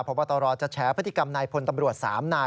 เพราะว่าต่อรอจะแฉพฤติกรรมในพนตำรวจสามนาย